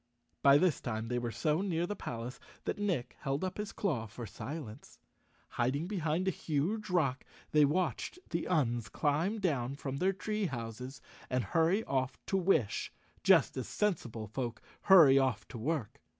By this time they were so near the palace that Nick held up his claw for silence. Hiding behind a huge rock, they watched the Uns climb down from their tree houses and hurry off to wish, just as sensible folk hurry off to work.